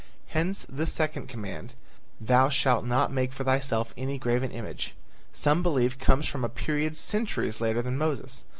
Hence the second command, "Thou shalt not make for thyself any graven image," some believe comes from a period centuries later than Moses.